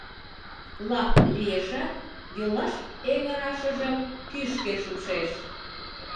Лап лиешат, йолашеҥырашыжым кӱшкӧ шупшеш.